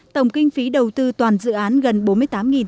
tổng kinh phí đầu tư toàn dự án gần